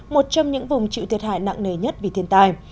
một trong những vùng chịu thiệt hại nặng nề nhất vì thiên tai